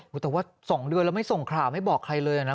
อุ้ยแต่ว่าสองเดือนแล้วไม่ส่งข่าวไม่บอกใครเลยอ่ะนะ